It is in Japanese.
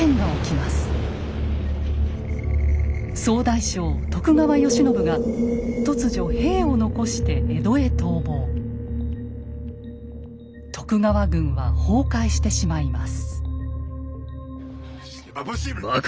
総大将・徳川慶喜が突如兵を残して徳川軍は崩壊してしまいます。